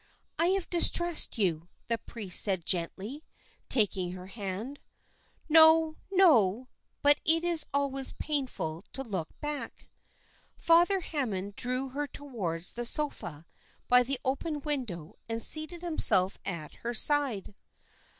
"I have distressed you," the priest said gently, taking her hand. "No, no, but it is always painful to look back." Father Hammond drew her towards the sofa by the open window, and seated himself at her side.